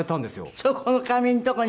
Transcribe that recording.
そこの紙のとこに。